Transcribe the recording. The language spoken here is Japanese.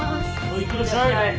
いってらっしゃい。